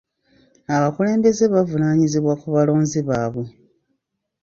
Abakulembeze bavunaanyizibwa ku balonzi baabwe.